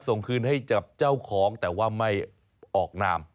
ส่งคืนให้กับเจ้าของแต่ว่าไม่ออกนาม